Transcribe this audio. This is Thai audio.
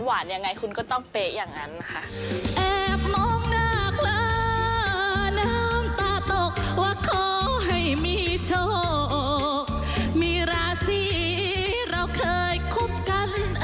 ยังไงคุณก็ต้องเป๊ะอย่างนั้นค่ะ